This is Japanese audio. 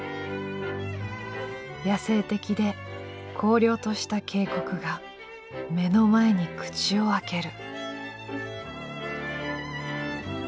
「野性的で荒涼とした渓谷が目の前に口を開ける」。